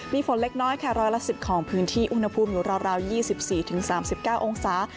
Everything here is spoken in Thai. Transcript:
มีฝนเล็กน้อยค่ะร้อยละ๑๐ของพื้นที่อุณหภูมิอยู่ราว๒๔๓๙องศา